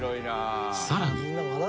［さらに］